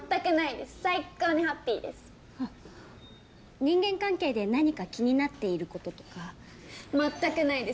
人間関係で何か気になっていることとか全くないです